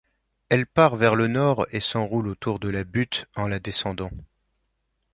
Elle part vers le nord et s'enroule autour de la butte en la descendant.